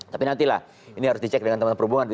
tapi nantilah ini harus dicek dengan teman teman perhubungan